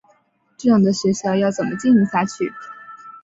这样的学校要怎么经营下去？